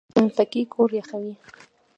پکۍ کور یخوي